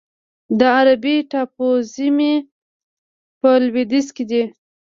دا د عربي ټاپوزمې په لویدیځ کې دی.